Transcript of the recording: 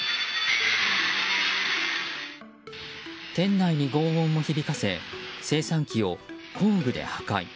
店内に轟音を響かせ精算機を工具で破壊。